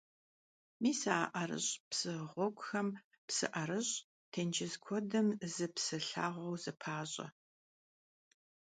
Мис а ӀэрыщӀ псы гъуэгухэм псы ӀэрыщӀ, тенджыз куэдыр зы псы лъагъуэу зэпащӀэ.